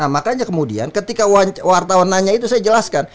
makanya kemudian ketika wartawan nanya itu saya jelaskan